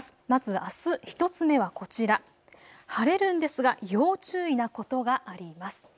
まずあす１つ目はこちら、晴れるんですが、要注意なことがあります。